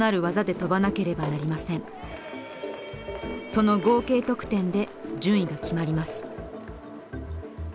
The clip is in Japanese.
その合計得点で順位が決まります。